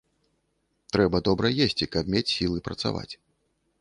Трэба добра есці, каб мець сілы працаваць.